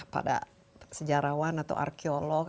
pada sejarawan atau arkeolog